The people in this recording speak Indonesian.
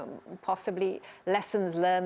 mungkin pelajaran yang anda pelajari